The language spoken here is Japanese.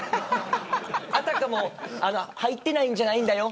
あたかも入っていないんじゃないよ